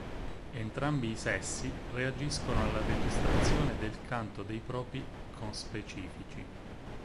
Entrambi i sessi reagiscono alla registrazione del canto dei propri conspecifici.